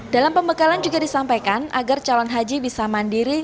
dalam pembekalan juga disampaikan agar calon haji bisa mandiri